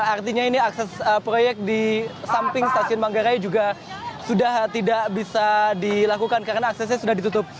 artinya ini akses proyek di samping stasiun manggarai juga sudah tidak bisa dilakukan karena aksesnya sudah ditutup